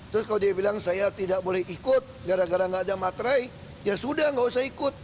terus kalau dia bilang saya tidak boleh ikut gara gara gak ada materai ya sudah nggak usah ikut